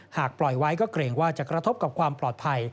หากปล่อยไว้ก็เกรงว่าจะกระทบกับความปลอดภัย